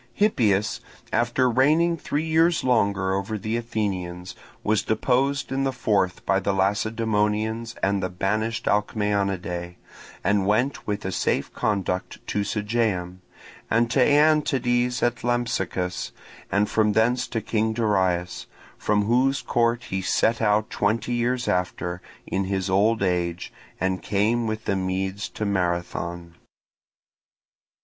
Hippias, after reigning three years longer over the Athenians, was deposed in the fourth by the Lacedaemonians and the banished Alcmaeonidae, and went with a safe conduct to Sigeum, and to Aeantides at Lampsacus, and from thence to King Darius; from whose court he set out twenty years after, in his old age, and came with the Medes to Marathon.